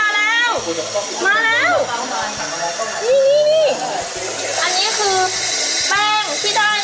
อันนี้คือแป้งที่ได้มาจาก